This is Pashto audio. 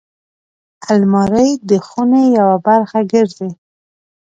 الماري د خونې یوه برخه ګرځي